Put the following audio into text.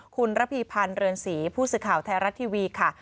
คุณระพีพันธ์เรือนศรีผู้สื่อข่าวไทยรัฐทีวีค่ะ